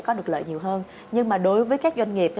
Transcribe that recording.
có được lợi nhiều hơn nhưng mà đối với các doanh nghiệp